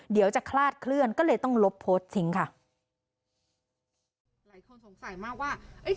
เดี๋ยวจะคลาดเคลื่อนก็เลยต้องลบโพสต์ทิ้งค่ะหลายคนสงสัยมากว่าเอ้